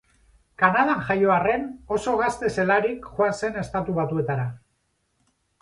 Kanadan jaio arren, oso gazte zelarik joan zen Estatu Batuetara.